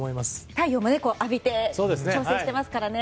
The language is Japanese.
太陽も浴びて調整もしていますからね。